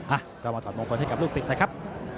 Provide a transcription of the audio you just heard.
อ่ะก็มาถอดมงคลให้กับลูกศิษย์นะครับ